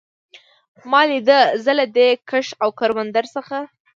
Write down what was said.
ما لیده، زه له دې کښت او کروندو څخه.